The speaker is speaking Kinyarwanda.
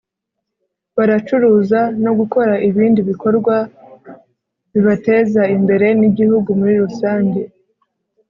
baracuruza no gukora ibindi bikorwa bibateza imbere n’igihugu muri rusange